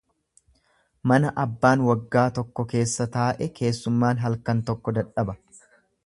Mana abbaan waggaa tokko keessa taa'e keessummaan halkan tokko dadhaba.